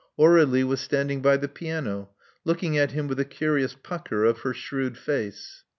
Aur^lie was standing by the piano, looking at him with a curious pucker of her shrewd face.